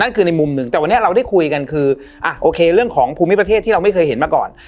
คือในมุมหนึ่งแต่วันนี้เราได้คุยกันคืออ่ะโอเคเรื่องของภูมิประเทศที่เราไม่เคยเห็นมาก่อน